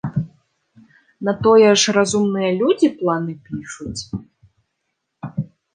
На тое ж разумныя людзі планы пішуць.